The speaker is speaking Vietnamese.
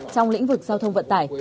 trong lĩnh vực giao thông vận tải